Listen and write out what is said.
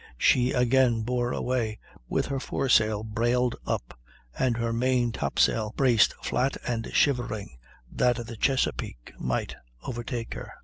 she again bore away with her foresail brailed up, and her main top sail braced flat and shivering, that the Chesapeake might overtake her.